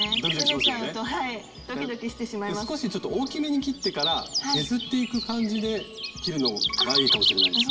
少しちょっと大きめに切ってから削っていく感じで切るのがいいかもしれないですね。